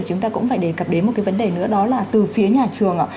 chúng ta cũng phải đề cập đến một cái vấn đề nữa đó là từ phía nhà trường